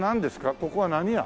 ここは何屋？